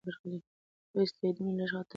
لوی اسټروېډونه لږ خطر لري.